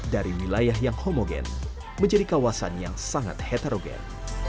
dari wilayah yang homogen menjadi kawasan yang sangat heterogen